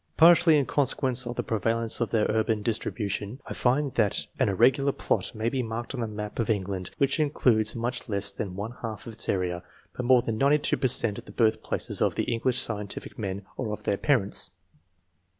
Partly in consequence of the prevalence of their urban distribution I find that an irregular plot may be marked on the map of England which includes much less than one half of its area, but more than 92 per cent, of the birthplaces of the English scientific men or of their parents.